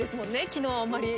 昨日あまり。